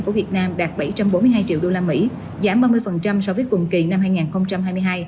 của việt nam đạt bảy trăm bốn mươi hai triệu usd giảm ba mươi so với cùng kỳ năm hai nghìn hai mươi hai